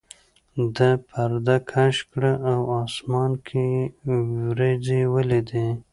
ده پرده کش کړه او اسمان کې یې وریځې ولیدې.